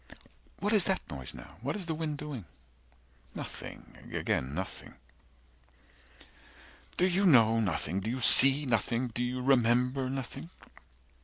"What is that noise now? What is the wind doing?" Nothing again nothing. 120 "Do You know nothing? Do you see nothing? Do you remember Nothing?"